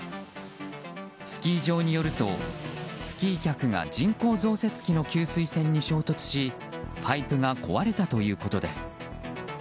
スキー場によるとスキー客が人口造雪機の給水栓に衝突しパイプが壊れたということです。